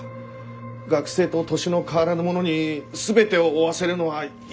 学生と年の変わらぬ者に全てを負わせるのはいささか。